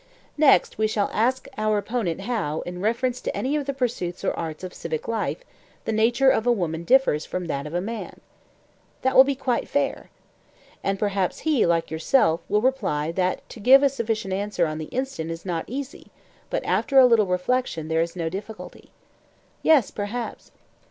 Next, we shall ask our opponent how, in reference to any of the pursuits or arts of civic life, the nature of a woman differs from that of a man? That will be quite fair. And perhaps he, like yourself, will reply that to give a sufficient answer on the instant is not easy; but after a little reflection there is no difficulty. Yes, perhaps.